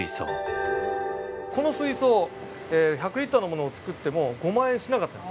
この水槽１００リッターのものを作っても５万円しなかったの。